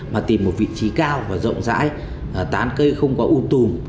mà tìm một vị trí cao và rộng rãi tán cây không có u tùm